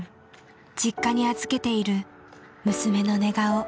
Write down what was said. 実家に預けている娘の寝顔。